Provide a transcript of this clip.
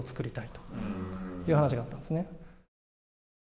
そういう話があったんですね。